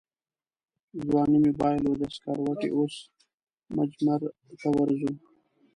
ځواني مې بایلوده سکروټې اوس مجمرته ورځو